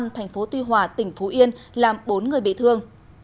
tp tuy hòa tỉnh phú yên làm bốn người bị thương